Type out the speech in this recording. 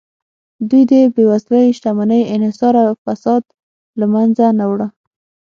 دوی د بېوزلۍ، شتمنۍ انحصار او فساد له منځه نه وړه